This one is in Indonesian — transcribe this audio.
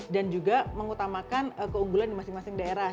dan juga mengutamakan keunggulan di masing masing daerah